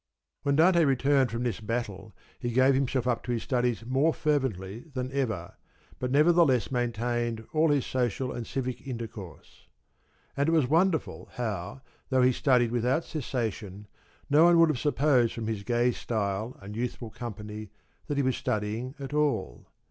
* When Dante returned from this battle he gave him self up to his studies more fervently than ever, but nevertheless maintained all his social and civic inter i/* course. And it was wonderful how, though he studied without cessation, no one would have supposed from his gay style and youthful company that he was studying at all.